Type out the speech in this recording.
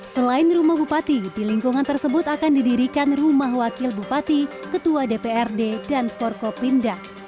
selain rumah bupati di lingkungan tersebut akan didirikan rumah wakil bupati ketua dprd dan forkopimda